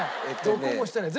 どこもしてない。